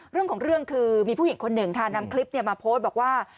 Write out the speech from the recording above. เรื่องของเรื่องคือมีผู้หญิงคนหนึ่งค่ะนำคลิปมาโพสต์บอกว่า